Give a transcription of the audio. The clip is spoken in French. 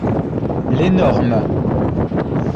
L’énorme.